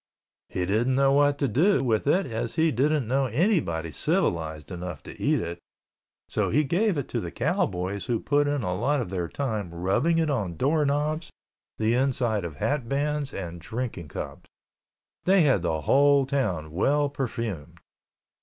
He didn't know what to do with it as he didn't know anyone civilized enough to eat it, so he gave it to the cowboys who put in a lot of their time rubbing it on door knobs, the inside of hat bands and drinking cups. They had the whole town well perfumed.